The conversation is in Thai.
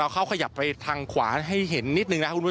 เขาขยับไปทางขวาให้เห็นนิดนึงนะครับคุณผู้ชม